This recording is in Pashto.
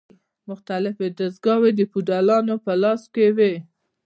مختلفې دستګاوې د فیوډالانو په لاس کې وې.